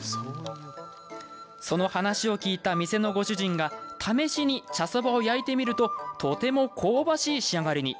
その話を聞いた店のご主人が試しに、茶そばを焼いてみるととても香ばしい仕上がりに。